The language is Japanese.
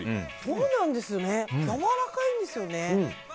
そうなんですやわらかいんですよね。